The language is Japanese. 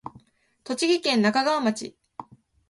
栃木県那珂川町